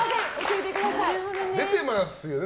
出てますよね